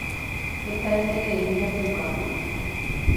Hetaiterei japuka.